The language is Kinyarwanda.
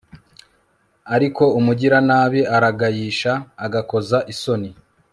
ariko umugiranabi aragayisha, agakoza isoni